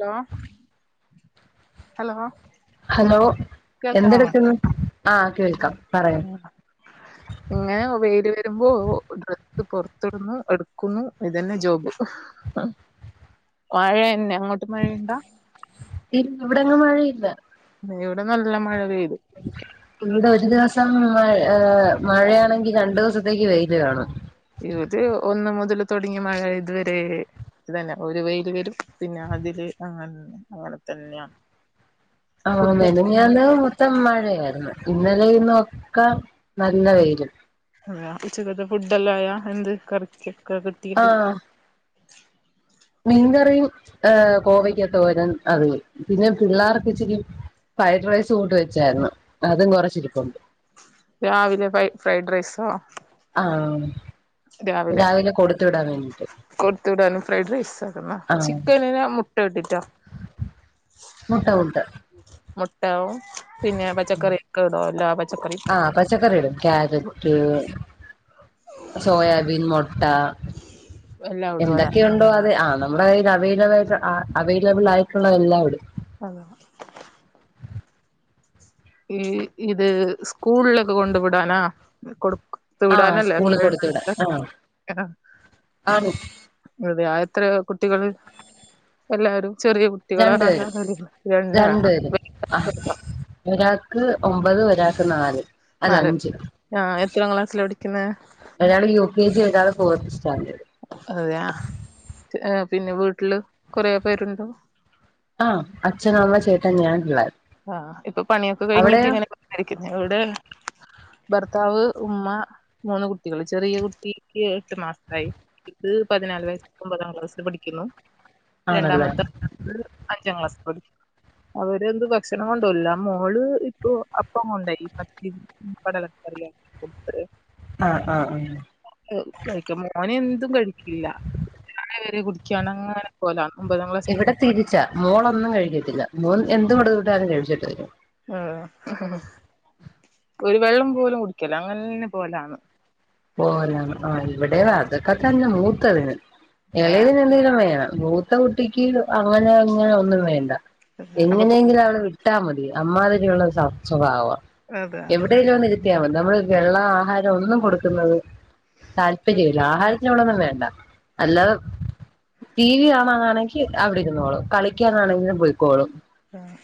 Hello hello hello കേൾക്കാമോ എന്തെടുക്കുന്നു ആഹ് കേൾക്കാം പറയൂ [unintelligible] ഇങ്ങനെ വെയിൽ വരുമ്പോ ഡ്രസ്സ് പൊറത്തിടുന്നു എടുക്കുന്നു ഇതന്നെ ജോബ് ഹ് ഹ് ഹ് ഹും വഴന്നെ അങ്ങോട്ട് മഴയുണ്ടോ ഇല്ല ഇവിടെങ്ങും മഴയില്ല ഇവിടെ നല്ല മഴ പെയ്തു ഇവിടെ ഒരു ദിവസം മഴ മഴയാണെങ്കിൽ രണ്ടു ദിവസത്തേക്ക് വെയിൽ കാണും ഇവ്തെ ഒന്ന് മുതൽ തുടങ്ങിയ മഴ ഇതുവരെ അത് തന്നെ ഒരു വെയിൽ വരും പിന്നെ അതില് അങ്ങ അങ്ങനെ തന്നെയാ ആഹ് മെനഞ്ഞാന്ന് മൊത്തം മഴയായിരുന്നു. ഇന്നലെയും ഇന്നു ഒക്കെ നല്ല വെയിലും അതെയോ ഉച്ചക്കത്തെ ഫുഡ് എല്ലാ ആയോ എന്ത് കറിയ്ക്കൊക്കെ കിട് ആഹ് മീൻ കറിയും. ഏ കോവയ്ക്കാ തോരൻ അത് പിന്നെ പിള്ളേർക്ക് ഇച്ചരി ഫ്രൈഡ് റൈസുണ്ട് വെച്ചായിരുന്നു അതും കുറച്ച് ഇരിപ്പുണ്ട് രാവിലെ ഫൈ ഫ്രൈഡ് റൈസോ ആഹ്‌ രാവിലെ കൊടുത്ത വിട കൊടുത്തു വിടാനും ഫ്രൈഡ് റൈസ് ആയിരുന്നാ ആഹ് ചിക്കനിൽ മുട്ട ഇട്ടിട്ടാ മുട്ട മുട്ട മുട്ടവും പിന്നെ പച്ചക്കറി ഒക്കെ ഇടൊ എല്ലാ പച്ചക്കറി ആഹ് പച്ചക്കറിയിടും ക്യാര റ്റ് സോയാബീൻ മൊട്ട എല്ലാം ഇടുവല്ലോ എന്തൊക്കെയുണ്ടോ അത് ആണ നമ്മുടെ കയ്യിൽ അവൈലബി അവൈലബിൾ ആയിട്ടുള്ളത് എല്ലായിടും അതോ ഈ ഇത് സ്കൂളിലൊക്ക കൊണ്ടു വിടാനാ കൊട്ക് കൊടുത്തു ആ വിടാനല്ലേ സ്കൂളിൽ ഫൈഡ് കൊടുത്തു വിടാൻ റൈസ് ആ ആണ് അതെ ആഹ് എത്ര കുട്ടികള് എല്ലാരും ചെറിയ കു ട്ടികളാ [unintelligible] രണ്ടാണ ആഹ് ഒരാക്ക് ഒമ്പത് ഒരാക്ക് നാല് അല്ല നാല് അഞ്ച് ആഹ് എത്രാം ക്ലാസ്സ്ലാ പഠിക്ക്ന്നെ ഒരാള് യൂ കേ ജി ഒരാള് ഫോർത്ത് സ്റ്റാൻഡേഡ് അതെയ ഏഹ് പിന്നെ വീട്ട്ല് കൊറേ പേരുണ്ടൊ ആഹ് അച്ഛൻ അമ്മ ചേട്ടൻ ഞാൻ പിള്ളാര് ആഹ് ഇപ്പ പണിയൊക്ക കഴിഞ്ഞിട്ട് ഇങ്ങന കുത്തിരിക്ക്ന്നെ ഇവടെ ഭർത്താവ് ഉമ്മ മൂന്ന് കുട്ടികള് ചെറിയ കുട്ടിക്ക് എട്ട് മാസായി ഇത് പതിനാല് വയസ് ഒമ്പതാം ക്ലാസ്സിൽ പഠിക്കുന്നു ആണല്ലേ രണ്ടാമത്തത് അഞ്ചാം ക്ലാസി പഠിക്കുന്നു അവരെന്ത് പറ് ഭക്ഷണം കൊണ്ടല്ല മോള് ഇപ്പൊ അപ്പം കൊണ്ടായി പത്തിരി കടലക്കറി കുട്ടര് ആഹ് ആഹ് ആഹ് കഴിക്ക മോന എന്തും കഴിക്കില്ല പര് [unintelligible] കുടിക്കാണ്ങ്ങനെ പോലാണ് ഒമ്പതാം ക്ലാ ഇവടെ തിരിച്ചാ മോളൊന്നും കഴിക്കത്തില്ല മോൻ എന്തും കൊടുത്ത് വിട്ടാലും കഴിച്ചിട്ട് വരും ഉം ഒരു വെള്ളം പോലും കുടിക്കല അങ്ങന്നെ പോവലാണ് പോവലാണ് ആഹ് ഇവടെ അതൊക്കെ തന്നെ മൂത്തതിന് ആഹ് ഏളയതിന് എന്തെങ്കിലും വേണം ത്ത കുട്ടിക്ക് അങ്ങനെ ഇങ്ങനെ ഒന്നും വേണ്ട അപ്പൊ എങ്ങനെയെങ്കിലും അവള് വി ട്ടാ മതി അമ്മാതിരി ഉള്ളത് സ്വഭാവ അതാ എടയില് ഒന്ന് ഇരുത്തിയാ മതി നമ്മള് വെള്ളം ആഹാരം ഒന്നും കൊടുക്ക്ന്നത് താല്പര്യല്ല ആഹാര നോടെന്നും വേണ്ട അതാ അല്ലാതെ ട്ടീ വി കാണാനാണെങ്കി അവിടെരുന്നോളും കളിക്കാനാണെങ്കില് പെയ്ക്കോളും ആഹ്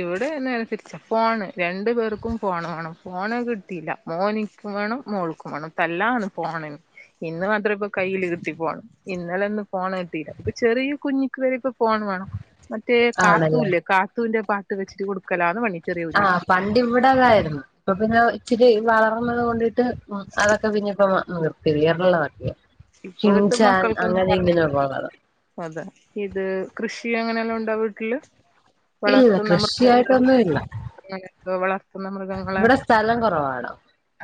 ഇവടെ നേരെ തിരിച്ച ഫോണ് രണ്ട് പേർക്കും ഫോണ് വാണം ഫോൺ കിട്ടീല മോനിക്കും വാണം മോൾക്കും വാണം തല്ലാണ് ഫോണിന് ഇന്ന് മാത്രെ ഇപ്പൊ കയ്യിലിരുത്തി ഫോണ് ഇന്നലൊന്നും ഫോൺ കിട്ടീല ഇപ്പൊ ചെറിയ കുഞ്ഞിക്ക് വരെ ഇപ്പം ഫോൺ വാണം മറ്റേ കാ ആണല്ലേ കാത്തൂന്റെ പാട്ട് വെച്ച്ട്ട് കൊട്ക്കലാണ് പണി ചെറിയ ആഹ് കുഞ്ഞിക്ക് പണ്ട് ഇവടെ അതായിരുന്നു ഇപ്പൊ പിന്നെ ഇച്ചിരി വളർന്നത് കൊണ്ട് ട്ട് അതൊക്ക പിന്നെ ഇപ്പൊ നിർത്തി യതള്ളതാക്കി ഇപ്പോഴത്തെ ചിൻചാൻ മക്കൾക്കൊന്നും അങ്ങനെ പറഞ്ഞ ഇങ്ങനെ [unintelligible] അതെ ഇത് കൃഷീ അങ്ങനെ വല്ലൊം ഉണ്ടൊ വീട്ട്ല് ഇല്ല കൃഷിയായിട്ടൊന്നുല്ല അങ്ങനെന്തോ വളർത്ത്ന്ന മൃഗങ്ങളെ സ്ഥലം കുറവാണ്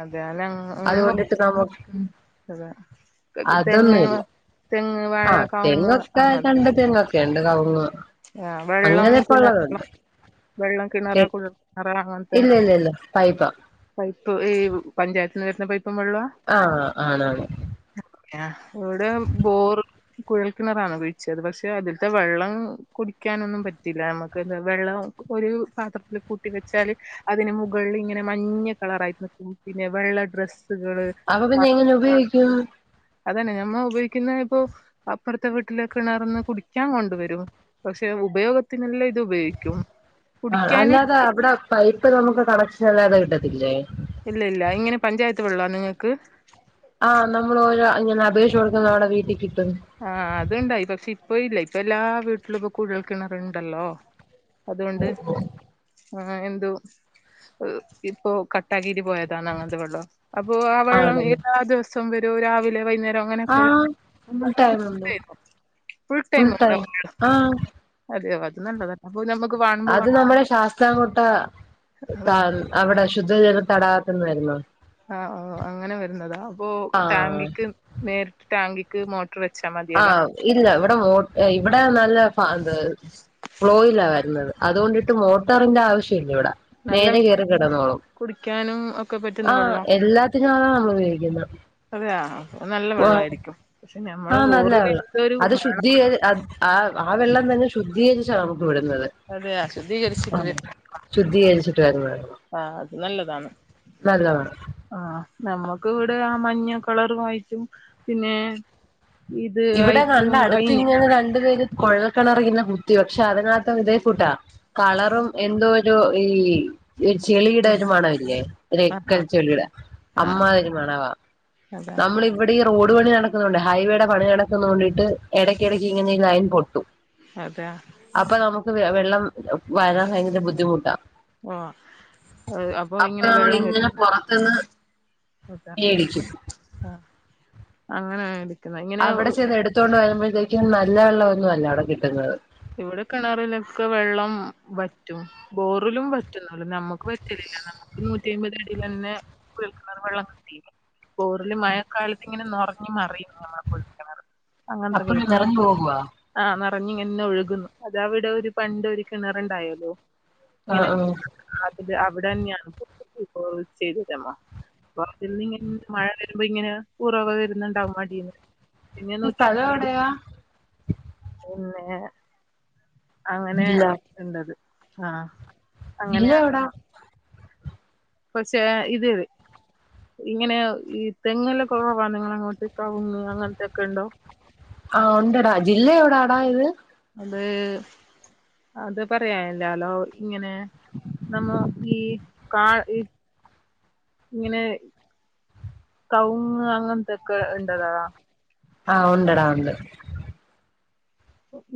അതേ അന ഇങ്ങ് [unintelligible] തെങ്ങ് അതൊന്നുല്ല തെങ്ങ് വാഴ ആഹ് കവുങ്ങ് തെങ്ങൊക്ക അങ്ങനത്തെ രണ്ട് തെങ്ങൊക്ക രണ്ട് കവ്ങ്ങ്. ആ വെള്ളം കിണ വെള്ളം കിണറാ ക്കുൾ ആ അതെ ഇല്ല ഇല്ല ഇല്ല പൈപ്പാ പൈപ്പ് ഈ പഞ്ചായ്ത്ത് ന്ന് വര്ന്ന പൈപ്പും വെള്ളാ. ആഹ് ആണാണ്. എവ്ടെ ബോറ്. കുഴൽക്കിണറാണ് വീഴിച്ചത് പക്ഷെ ഇതീത്തെ വെള്ളം കുടിക്ക്യാനൊന്നും പറ്റില്ല അമക്ക് വെള്ളം ഒരു പാത്രത്തില കൂട്ടി വെച്ചാല് അതിന് മുകള്ള് ഇങ്ങനെ മഞ്ഞ കളറായി [unintelligible] പിന്നെ വെള്ള ഡ്രെസ്സുകള് അപ്പൊ പിന്നെ എങ്ങനെ ഉപയോഗിക്കും? അതന്നെ ഞമ്മ ഉപയോഗിക്കുന്ന ഇപ്പൊ അപ്പർത്തെ വീട്ടിലെ കെ ണർന്ന് കുടിക്ക്യാൻ കൊണ്ട് വരും. പക്ഷെ ഉപയോഗത്തിനെല്ലാം ഇത് ഉപയോഗിക്കും. ആ കുടിക്കാന് അല്ലാതെ അവിടെ പൈപ്പ് നമുക്ക് കണക്ഷൻ അല്ലാതെ കിട്ടത്തില്ലേ? ഇല്ല ഇല്ല ഇങ്ങനെ പഞ്ചായത്ത് വെള്ളാ നിങ്ങക്ക്. ആഹ് നമ്മള് ഓരോ ഇങ്ങനെ അപേക്ഷ കൊട്ക്കുന്നോടെ വീട്ടി കിട്ടും. ആഹ് അത്ണ്ടായി പക്ഷെ ഇപ്പ ഇല്ലേ ഇപ്പൊ എല്ലാ വീട്ട്ലും കുഴൽ കിണറുണ്ടല്ലോ. അതുകൊണ്ട്. ആ എന്തോ ഇപ്പോ കട്ടാകിട്ട് പോയതാണ് അങ്ങൻത്തെ വെള്ളം. അപ്പൊ ആ വെള്ളം ആണല്ലേ എല്ലാ ദിവസം വരോ രാവിലെ വൈകുന്നേരം അങ്ങനൊക്കെ ഫുൾട്ടൈമുണ്ട് ഫുൾ ടൈം ഫുൾട്ടൈം ഉണ്ടാവുല്ലോ ആഹ്. അതെയോ അത് നല്ലതാ. അത് നമ്മളെ ശാസ് താംകോട്ട അത അവിടെ ശുദ്ധജല തടാകത്ത്ന്ന് വര്ന്നതാ. ആ ആ അങ്ങനെ വര്ന്നതാ അപ്പൊ ആഹ് ടാങ്കിക്ക് നേരിട്ട് ടാങ്കിക്ക് മോ ട്ട്‌റ് വെച്ചാ മത്യല്ലേ? ആഹ് ഇല്ല ഇവ്ടെ മോ ഇവ്ടെ നല്ല ഫ ഫ്ലോയില വര്ന്നത് അതുകൊണ്ടിട്ട് മോട്ടറിന്റെ ആവശ്യം ഇല്ല ഇവിടെ. നേരെ കേറി കിടന്നോളും. കുടിക്ക്യാനും ഒക്കെ പറ്റു ആ എല്ലാത്തിനും ആ ഉപയോഗിക്കുന്നെ. അതെയോ ന്നല്ല വെള്ളായിരിക്കും പക്ഷെ ഞമ്മള് നല്ല വെള്ളം ബോറിഎന്തൊരു അത് [unintelligible] ആഹ് ആ വെള്ളംതെന്നെ ശുദ്ധീകരിച്ചാ ന്നമുക്ക് വിടുന്നത്. അതെയാ ശുദ്ധീകരിച്ച്റ്റ് വെര്ന്ന് വെള്ള. ശുദ്ധീകരിച്ചിട്ട് വെര്ന്നവെള്ള നല്ലതാണ് ന്നല്ലത. ആഹ് ന്നമ്മക്ക് ഇവടെ ആമഞ്ഞകളറആയിട്ടും പിന്നെ ഇത് ഇവിടെ ആയിട്ടും കണ്ടഅട്ത്ത് കഴിഞ്ഞില്ല ഇങ്ങനെ രണ്ടു പേര് കുഴൽക്കിണറങ്ങനെ കുത്തി പക്ഷെഅതിനകത്ത ഇതേഫൂഡാ. കളറും എന്തോഒരു ഈ ഇചെളിയുടെ ഒരു മണമില്ലേ ഒര് ആഹ് എക്കൽ ആഹ് ചെളിയുടെഅമ്മാരിമണവാ. അതെ. ഇവിടെ ഈറോഡ് പണി നടക്കുന്നോണ്ട് ഹൈവേയുടെ പണി നടക്കുന്നതോണ്ട്ട്ട് എടയ്ക്കെടയ്ക്ക് ഇങ്ങനെ ഈലൈൻ പൊട്ടും. അതെ. അപ്പ ന്നമുക്ക് വെള്ളം വരാൻ ഭയങ്കര ബുദ്ധിമുട്ടാ. ഓഹ് അപ്പൊ ഇങ്ങനെ വെള്ളം അപ്പൊനമ്മളിങ്ങനെ വരുന്നത് പുറത്ത്ന്ന് അതാ മേടിക്കും. ആഹ് അങ്ങനേടി. അവടെചെന്ന് എട്ത്തോണ്ട് വരുമ്പത്തേക്കും ന്നല്ലെവെള്ളൊന്നോല്ല അവിടെകിട്ട് ന്നെ. ഇവ്ടെ കെണറിലൊക്കെ വെള്ളംവറ്റും. ബോറിലും വറ്റുംന്നാലും ന്നമ്മുക്ക് വറ്റലില്ല ന്നമുക്ക് നൂറ്റിഅയ്മ്പത് അടിയിലെന്നെ കുഴൽ കിണർ വെള്ളത്തിത്തെ പോർല് മഴക്കാലത്ത് ഇങ്ങനെ നോർഞ് നെറിം നമ്മളെ കു അപ്പഴും ക്ക്ന്നത് നിറഞ്ഞു പോകുവാ ആ നെറഞ് ഇങ്ങനെഒഴു ക്ക്ന്നു അതഅവിടെ ഒരുപണ്ട് ഒരു കിണറ്ണ്ടായിരുന്നു ആ ഇങ്ങനെ ആ അത് അവിടെന്നെണ് ചെയ്ത തമ്മ അപ്പൊ അതിൽ നിന്ന് ഇങ്ങനെ മഴ വെരുമ്പോ ഇങ്ങനെ ഉറവ വെരുന്നുണ്ടാവും അതീന്ന് പിന്നെ സ്ഥലം എവിടെയാ അങ്ങനെ ജില്ല ഇണ്ടത് ആഹ് ജില്ല എവിടാ? കൊർച്ചെ ഇത് ഇങ്ങനെ ഈ തെങ്ങല്ലാംകൊവ നിങ്ങളങ്ങോട്ട് കവുങ്ങ് അങ്ങൻത്തൊക്കെ ഇണ്ടോ? ആഹ് ഒണ്ടടാ ജില്ല എവുടാടാ ഇത്? അത് അത് പറയാനില്ലാലോ ഇങ്ങനെ നമ്മോ ഈ കാ ഈ ഇങ്ങനെ കൗങ്ങ് അങ്ങൻത്തൊക്കെ ഇണ്ടതാ ആഹ് ഉണ്ടെടാ ഉണ്ട്.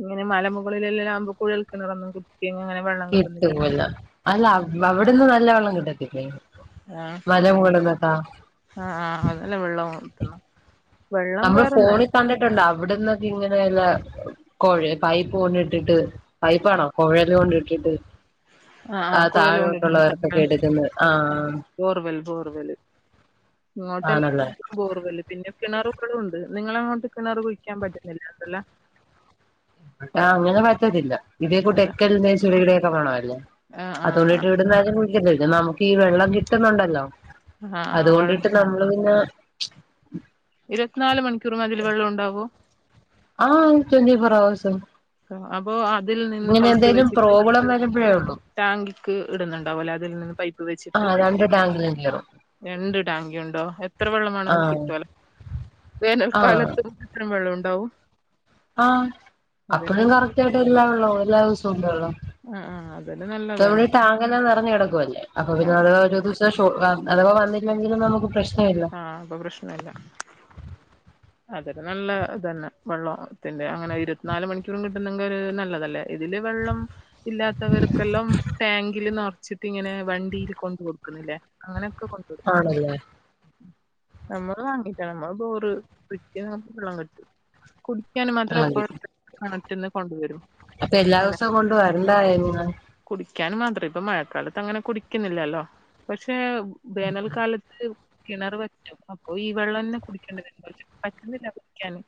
ഇങ്ങനെ മലമുകളിലെല്ലാം ആകുമ്പോ കുഴൽ കെണറൊന്നും കു പിന്നെങ്ങനെ വെള്ള കിട്ടൂല അല്ല അവിടന്ന് നല്ല വെള്ളം കിട്ടത്തില്ലേ? ആഹ് മലമുകളിന്നൊക്കാ ആഹ് അതെല്ലാം വെള്ളോം കിട്ടണം നമ്മള് ഫോണി കണ്ടിട്ടുണ്ട് അവിടന്നൊക്കെ ഇങ്ങനെള്ള കോയ് പൈപ്പ് കൊണ്ടിട്ടിട്ട് പൈപ്പാണോ കൊഴല് കൊണ്ടിട്ടിട്ട് ആ ആ ആഹ് കുഴൽ താഴോട്ടുള്ള വർക്കൊക്കെ എടുക്കുന്ന ആഹ് ഫോർവെൽ ഫോർവെൽ [unintelligible] ആണല്ലേ ബോർവെല് പിന്നെ കിണറുകളുംഉണ്ട് നിങ്ങള അങ്ങോട്ട് കിണർ കുഴിക്കാൻ പറ്റുന്നില്ല എന്തല്ല ആഹ് അങ്ങനെപറ്റത്തില്ല ഇതേ കൂട്ട് എക്കൽന്റെ ചെളീടൊക്കെ മണല്ലേ. ആഹ് അതോണ്ടിട്ട് ഇവിടുന്നാരും കുടിക്കുന്നില്ല നമുക്ക് ഈ വെള്ളം കിട്ടുന്നുണ്ടല്ലോ. ആ ആ വെള്ളം അതുകൊണ്ടിട്ട് നമ്മള് പിന്നാ ഇരുപത്തിനാല് മണിക്കൂറു അതിൽ വെള്ളമുണ്ടാവോ ആഹ് ടൊന്റി ഫോർ ഹവേർസും അപ്പൊ അതിൽ നിന്ന് ഇങ്ങനെ എന്തേലും പ്രോബ്ലം വരുമ്പഴേ ഉള്ളൂ. ടാങ്ക്ക്ക് ഇടുണുണ്ടാവും അല്ലെ അതിൽ നിന്ന് പൈപ്പ് വെച്ച്. ആ രണ്ട് ടാങ്കിലും കേറും. രണ്ട് ടാങ്ക് ഉണ്ടോ എത്ര വെള്ളം ആ മാണെങ്കും കിട്ടുലോ ആ വേനൽക്കാലത്തും ത്രയും വെള്ളം ഉണ്ടാവും. ആഹ് അതെ അപ്പഴും കറക്റ്റ് ആയിട്ട് എല്ലാ വെള്ളോം എല്ലാ ദിവസവും ഉണ്ട് വെള്ളം ആ ആ അതൊരു പ്പവിടെ നല്ലതന്നെ ടാങ്കെല്ലാം നിറഞ്ഞ് കിടക്കുവല്ലേ അപ്പൊ ആ പിന്നെ അവര് [unintelligible] അതവാ വന്നില്ലെങ്കിലും നമുക്ക് പ്രശ് ആഹ് അപ്പൊ പ്രശ്നം ഇല്ല. അതൊക്കെ നല്ല ഇതന്നെ വെള്ളാണ് അങ്ങനെ ഇരുപത്തിനാല് മണിക്കൂറും കിട്ടുന്നെങ്കിൽ ഒരു നല്ലതല്ലേ ഇതില് വെള്ളം ഇല്ലാത്തവർക്കെല്ലാം ടാങ്കില് നിറച്ചിട്ട് ഇങ്ങനെ വണ്ടിയിൽ കൊണ്ട് കൊടുക്കുന്നില്ലേ അങ്ങനെൊക്കെ കൊട് ആണല്ലേ നമ്മള് വാങ്ങീട്ടാ നമ്മള് ബോറ് [unintelligible] വെള്ളം കെട്ടു കുടിക്കാൻ മാത്രം വെള്ളം കിട്ടും അപ്പോഴത്തെ കിണറ്റ്ന്ന് കൊണ്ടുവരും. അപ്പൊ എല്ലാ ദിവസവും കൊണ്ട് വരണ്ടായേ ഇങ്ങ്. കുടിക്കാൻ മാത്രം ഇപ്പ മഴക്കാലത്ത് അങ്ങനെ കുടിക്കുന്നില്ലാല്ലോ പക്ഷെ വേനൽക്കാലത്ത് കിണറ് വറ്റും അപ്പൊ ഈ വെള്ളംന്നെ കുടിക്കേണ്ടി വരുമ്പോ പറ്റുന്നില്ല കുടിക്കാന്.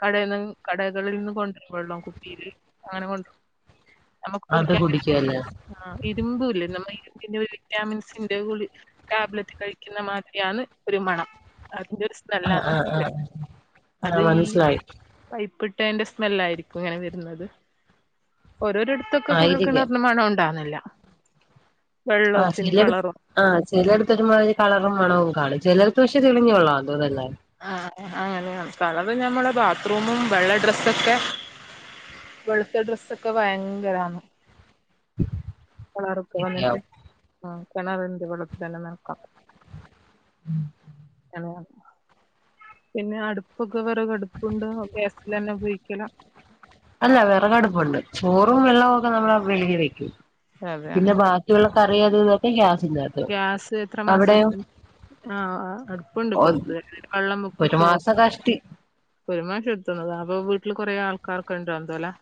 കടയിൽ കടകളിൽനിന്ന് കൊണ്ടുവരോം വെള്ളം കുപ്പീല് അങ്ങനെ കൊണ്ടരോം അത് കുടിക്കുവല്ലേ ആഹ് ഇരുമ്പുംല്ലേ നമ്മളെ ഇരുമ്പിന്റെ വിറ്റാമിൻസിന്റെ ഗുളി ടാബ്ലറ്റ് കഴിക്കുന്ന മാതിരി. യാണ് ഒരു മണം. അതിന്റെ ആഹ് സ്മെല്ലാണ് ആഹ് നമുക്ക് ആഹ് അത് ഈ പൈപ്പിട്ടതിന്റെ സ്മെല്ലായിരിക്കും ഇങ്ങനെ വരുന്നത്. ഓരോര ഇത്തൊക്കെ കുഴൽ ആയിരിക്കാം കിണർന്ന മണം ഉണ്ടാന്നില്ല. ആഹ് [unintelligible] ആഹ് ചിലെടുത്തൊരുമാതിരി കളറും മണവും കാണും. ചിലടുത്ത് പക്ഷെ തെളിഞ്ഞവെള്ളാംന്ന് തോന്നുന്നല്ലെ? ആ അങ്ങനെയ കളർ ഞമ്മളെ ബാത്റൂമും വെള്ള ഡ്രെസ്സൊക്കെ വെളുത്ത ഡ്രസ്സൊക്കെ ഭയങ്കരാണ്. കിണറൊക്കെ തോന്നുന്നല്ലേ വന്നിട്ട് ആ കിണർ വെള്ളത്തി തന്നെ നനക്കാം. അങ്ങനെ. പിന്നെ അടുപ്പൊക്കെ വെറകടുപ്പുണ്ടോ ഗ്യാസിലെന്നെ ഉപയോഗിക്കലാ? അല്ല വിറകടുപ്പുണ്ട്. ചോറും വെള്ളവും ഒക്കെ നമ്മൾ വെളീവെക്കും. അതെയാ പിന്നെ ബാക്കി ക്കിയൊള്ള കറിയാളൊക്കെ ഗ്യാസിൽ. ഗ്യാസ് എത്ര മാസത്തിന്? ആഹ. അടുപ്പുണ്ട് പൊറത്ത്. വെള്ളംബക്കും ഒരു ചോറ് മാസം കഷ്ടി ഒരു മാസം എത്തുള്ളൂ അത്. അപ്പൊ വീട്ടില് കുറെേ ആൾക്കാർക്ണ്ടോ എന്തോലാ.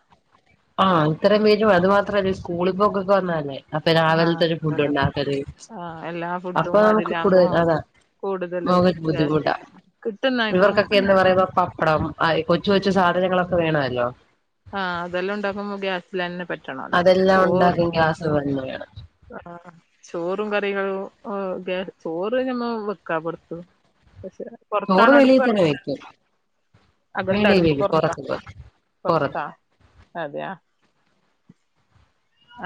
ആഹ് ഇത്രം പേരും അത് മാത്രല്ല, സ്കൂളിൽ പോക്കൊക്കെ വന്നാലേ. അപ്പൊ ആഹ് രാവിലത്തെ ഒരു ഫുഡ് അതല്ലെ ഉണ്ടാക്കല്. ആഹ് എല്ലാ അപ്പൊ ഫുഡും നമുക്ക് അതിലാകുമ്പോ കൂടുതൽ അതാ. കൂടുതല് മോഹന് ഗ്യാസ് ബുദ്ധിമുട്ടാ. കിട്ടുന്ന ഇപ്പൊ ഇവർക്കൊക്കെ എന്ന് മുപ്പത്തെ പറയുമ്പോ പപ്പടം, - ആ കൊച്ച കൊച്ചു സാധനങ്ങളൊക്കെ വേണെല്ലോ? ആഹ് അതെല്ലാം ഉണ്ടാക്മ്പോ ഗ്യാസിലെന്നെ പറ്റു. അതെല്ലാം ഉണ്ടാക്കാൻ ഗ്യാസുന്നു വേണം. ആഹ് ചോറും കറികളും ഒക്കെ, ചോറ് നമ്മള് വെക്കാ പൊറത്ത്. പക്ഷെ- ചോറ് പുറത്താണോ വെളിയിൽ അടുപ്പ്? തന്നെ വെക്കും അകത്താണോ? വെളിയിൽ അടുപ്പ് വെക്കും പൊറത്താ. പുറത്ത് പുറത്ത് പൊറത്താ. അതെയാ.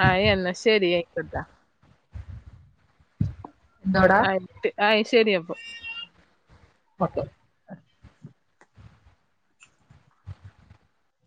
ആഹ് ന്ന ശരി ആയിക്കോട്ടെ എന്തോടാ ആയിട്ട് ആയി ശരിയപ്പൊ പോട്ടെ